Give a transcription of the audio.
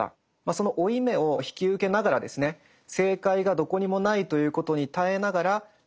その負い目を引き受けながらですね正解がどこにもないということに耐えながら自分の生き方を投企する。